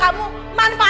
aku mau ngajak